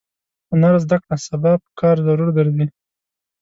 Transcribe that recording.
هنر زده کړه سبا پکار ضرور درځي.